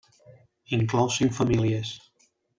Inclou cinc famílies.